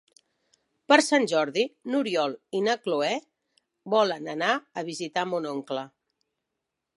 Per Sant Jordi n'Oriol i na Cloè volen anar a visitar mon oncle.